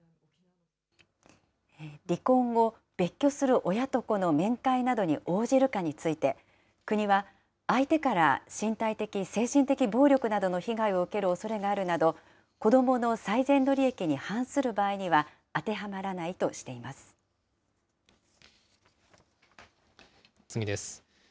離婚後、別居する親と子の面会などに応じるかについて、国は、相手から身体的・精神的暴力などの被害を受けるおそれがあるなど、子どもの最善の利益に反する場合には、当てはまらないとしていま次です。